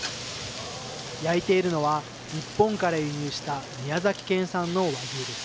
焼いているのは日本から輸入した宮崎県産の和牛です。